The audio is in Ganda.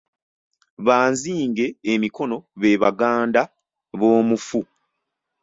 Banzinge emikono be baganda b'omufu.